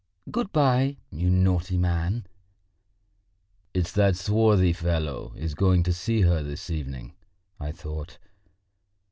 Good bye, you naughty man." "It's that swarthy fellow is going to see her this evening," I thought.